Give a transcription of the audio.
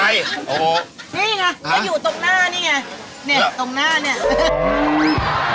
นี่ไงเขาอยู่ตรงหน้านี่ไงตรงหน้านั่น